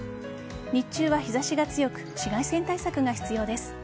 日中は日差しが強く紫外線対策が必要です。